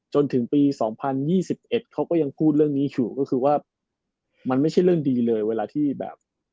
จนถึงปี๒๐๒๑เขาก็ยังพูดเรื่องนี้อยู่ก็คือว่ามันไม่ใช่เรื่องดีเลยเวลาที่แบบ